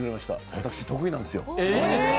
私、得意なんですよ。